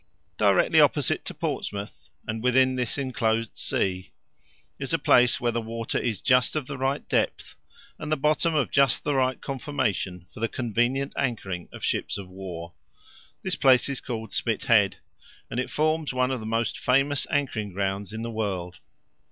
Directly opposite to Portsmouth, and within this inclosed sea, is a place where the water is just of the right depth, and the bottom of just the right conformation for the convenient anchoring of ships of war. This place is called Spithead, and it forms one of the most famous anchoring grounds in the world.